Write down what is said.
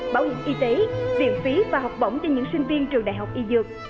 bảo hiểm y tế viện phí và học bổng cho những sinh viên trường đại học y dược